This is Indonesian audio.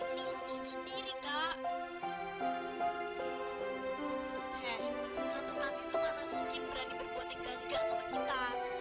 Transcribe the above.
heh tante tante tuh mana mungkin berani berbuat yang gangga sama kita